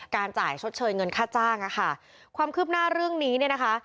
การจ่ายชดเชิญเงินค่าจ้างนะคะความคืบหน้าเรื่องนี้นะคะ